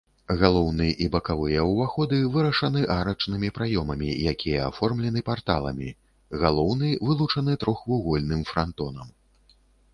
Галоўны і бакавыя ўваходы вырашаны арачнымі праёмамі, якія аформлены парталамі, галоўны вылучаны трохвугольным франтонам.